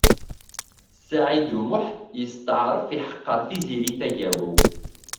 Saɛid U Muḥ yesṭeɛref iḥeqqeṛ Tiziri Tagawawt.